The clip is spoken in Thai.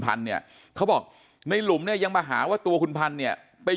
พันธุ์เนี่ยเขาบอกในหลุมเนี่ยยังมาหาว่าตัวคุณพันธุ์เนี่ยไป